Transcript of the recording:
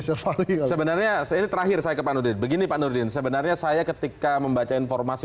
selalu sebenarnya saya terakhir saya kepadu begini pak nurin sebenarnya saya ketika membaca informasi